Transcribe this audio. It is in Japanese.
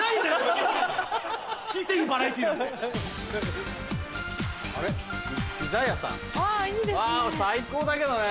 わ最高だけどね。